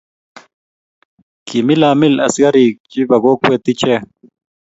Kimilamil askiriik che bio kokwee icheek.